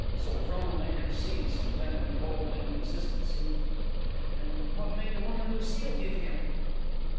So Frona made her cease, and then, with bold inconsistency, "And what may the woman Lucile give him?"